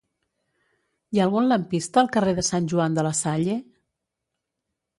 Hi ha algun lampista al carrer de Sant Joan de la Salle?